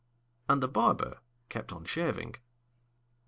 And the barber kept on shaving.